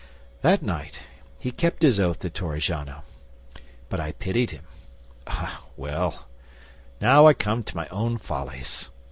That time he kept his oath to Torrigiano. But I pitied him. Eh, well! Now I come to my own follies.